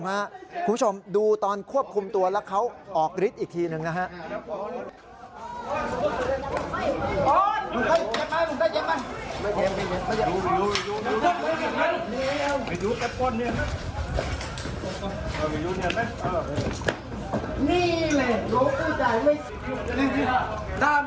คุณผู้ชมดูตอนควบคุมตัวแล้วเขาออกฤทธิ์อีกทีหนึ่งนะฮะ